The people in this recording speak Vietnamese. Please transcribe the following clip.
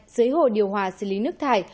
dưới hồ điều hòa xây lý nước thải